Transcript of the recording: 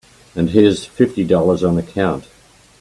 And here's fifty dollars on account.